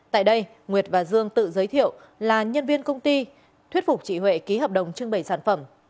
tại đây nguyệt và dương tự giới thiệu là nhân viên công ty thuyết phục chị huệ ký hợp đồng trưng bày sản phẩm